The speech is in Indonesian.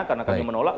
karena kami menolak